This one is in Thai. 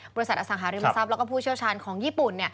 บริษัทอสังหาริมทรัพย์แล้วก็ผู้เชี่ยวชาญของญี่ปุ่น